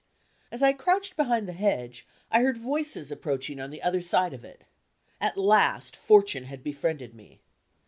As I crouched behind the hedge, I heard voices approaching on the other side of it. At last fortune had befriended me.